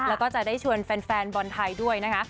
แล้วก็จะได้ชวนแฟนบอลไทยด้วยนะคะ